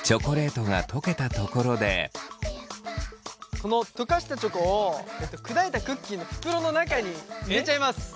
この溶かしたチョコを砕いたクッキーの袋の中に入れちゃいます。